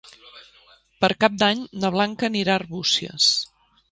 Per Cap d'Any na Blanca anirà a Arbúcies.